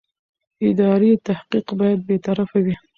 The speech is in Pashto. اداري تحقیق باید بېطرفه وي.